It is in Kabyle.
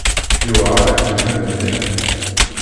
Yewɛer-ak lḥal mliḥ.